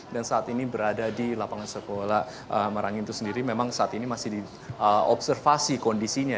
dan saat ini berada di lapangan sekolah marangin itu sendiri memang saat ini masih diobservasi kondisinya